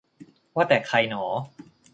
ว่าแต่ใครหนอ